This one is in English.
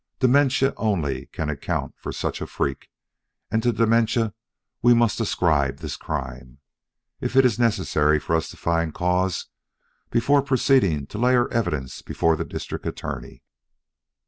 Dementia only can account for such a freak, and to dementia we must ascribe this crime, if it is necessary for us to find cause before proceeding to lay our evidence before the District Attorney.